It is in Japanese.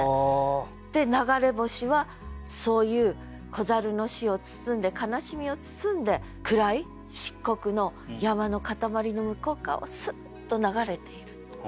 で流れ星はそういう子猿の死を包んで悲しみを包んで暗い漆黒の山の塊の向こう側をスーッと流れている。